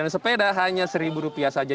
dan sepeda hanya satu ribu rupiah saja